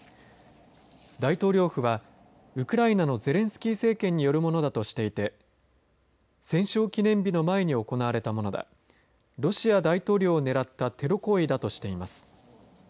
大統領府はウクライナのゼレンスキー政権によるものだとしていて戦勝記念日の前に行われたものだロシア大統領を狙ったテロ行為だとしています。